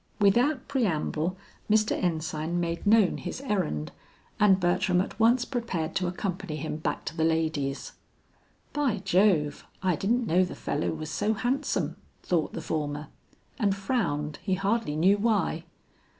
Without preamble, Mr. Ensign made known his errand, and Bertram at once prepared to accompany him back to the ladies. "By Jove! I didn't know the fellow was so handsome!" thought the former, and frowned he hardly knew why.